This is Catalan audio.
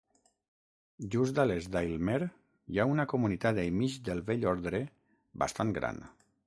Just a l'est d'Aylmer hi ha una comunitat amish del Vell Ordre bastant gran.